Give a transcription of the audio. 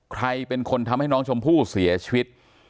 ใครเป็นคนทำให้น้องชมพู่เสียชีวิต